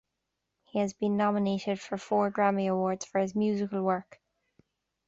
He has been nominated for four Grammy Awards for his musical work.